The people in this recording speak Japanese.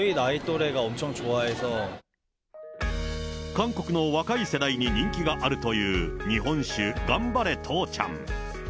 韓国の若い世代に人気があるという日本酒、がんばれ父ちゃん。